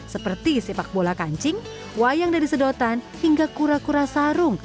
seperti sepak bola kancing wayang dari sedotan hingga kura kura sarung